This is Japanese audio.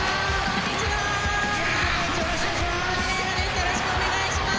よろしくお願いします。